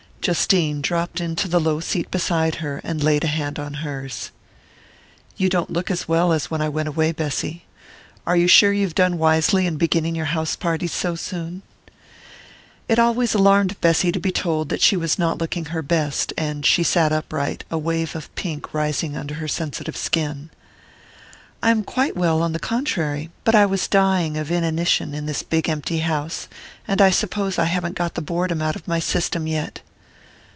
Justine dropped into the low seat beside her, and laid a hand on hers. "You don't look as well as when I went away, Bessy. Are you sure you've done wisely in beginning your house parties so soon?" It always alarmed Bessy to be told that she was not looking her best, and she sat upright, a wave of pink rising under her sensitive skin. "I am quite well, on the contrary; but I was dying of inanition in this big empty house, and I suppose I haven't got the boredom out of my system yet!"